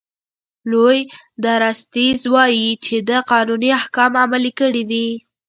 لوی درستیز وایي چې ده قانوني احکام عملي کړي دي.